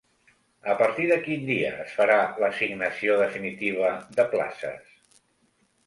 A partir de quin dia es farà l'assignació definitiva de places?